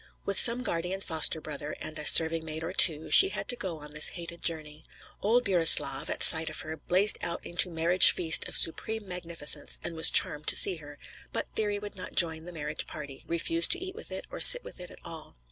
With some guardian foster brother, and a serving maid or two, she had to go on this hated journey. Old Burislav, at sight of her, blazed out into marriage feast of supreme magnificence, and was charmed to see her, but Thyri would not join the marriage party, refused to eat with it or sit with it at all.